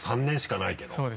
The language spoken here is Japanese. ３年しかないけど。